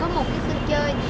có một cái chủ sở